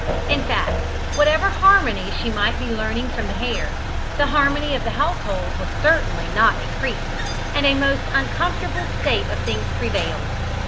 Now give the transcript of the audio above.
In fact, whatever harmony she might be learning from the hare, the harmony of the household was certainly not increased, and a most uncomfortable state of things prevailed.